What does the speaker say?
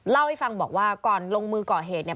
เล่าให้ฟังบอกว่าก่อนลงมือก่อเหตุเนี่ย